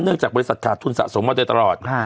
เนื่องจากบริษัทขาดทุนสะสมมาตรีตลอด